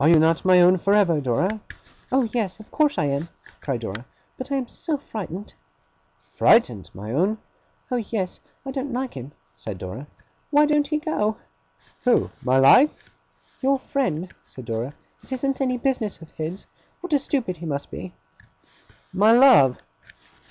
'Are you not my own for ever, Dora?' 'Oh yes, of course I am!' cried Dora, 'but I am so frightened!' 'Frightened, my own?' 'Oh yes! I don't like him,' said Dora. 'Why don't he go?' 'Who, my life?' 'Your friend,' said Dora. 'It isn't any business of his. What a stupid he must be!' 'My love!